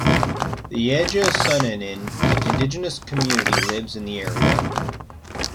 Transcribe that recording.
The Eja Sonene indigenous community lives in the area.